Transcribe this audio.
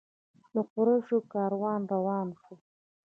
د قریشو کاروان روان شو.